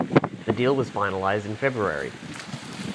The deal was finalized in February.